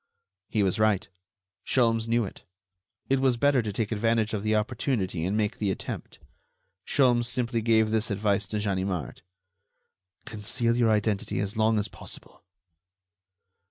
He was right; Sholmes knew it. It was better to take advantage of the opportunity and make the attempt. Sholmes simply gave this advice to Ganimard: "Conceal your identity as long as possible."